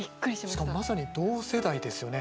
しかもまさに同世代ですよね。